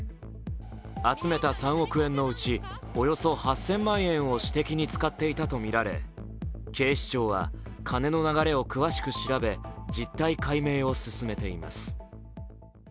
集めた３億円のうちおよそ８０００万円を私的に使っていたとみられ警視庁は金の流れを詳しく調べ実態解明を進めています。